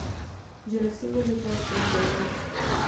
جلسې ولې باید لنډې وي؟